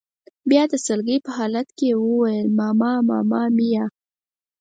بیا د سلګۍ په حالت کې یې وویل: ماما ماما میا.